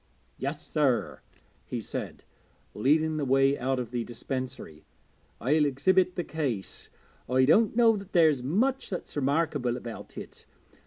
'Yes, sir,' he said, leading the way out of the dispensary, 'I'll exhibit the case. I don't know that there's much that's remarkable about it.